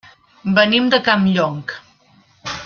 Venim de Campllong.